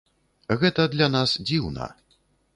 Гэта для нас дзіўна.